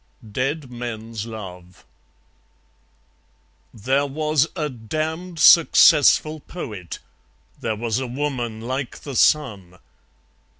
Dead Men's Love There was a damned successful Poet; There was a Woman like the Sun.